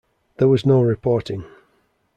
There was no reporting.